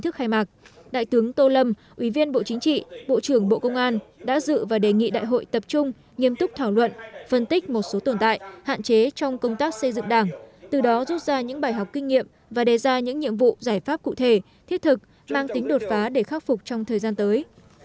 trước khai mạc đại tướng tô lâm ủy viên bộ chính trị bộ trưởng bộ công an đã dự và đề nghị đại hội tập trung nghiêm túc thảo luận phân tích một số tồn tại hạn chế trong công tác xây dựng đảng từ đó rút ra những bài học kinh nghiệm và đề ra những nhiệm vụ giải pháp cụ thể thiết thực mang tính đột phá để khắc phục trong thời gian tới